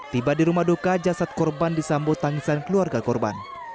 tiba di rumah duka jasad korban disambut tangisan keluarga korban